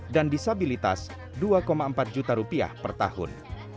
dan disabilitas dua empat juta rupiah per tahun